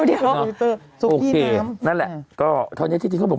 เดี๋ยวอายุนิเตอร์ศุกริน้ำโอเคนั่นแหละ